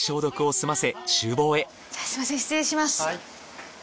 すみません失礼します。